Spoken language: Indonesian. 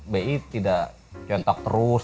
bi tidak kontak terus